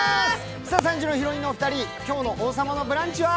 ３時のヒロインのお二人、今日の「王様のブランチ」は？